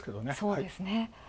そうですね。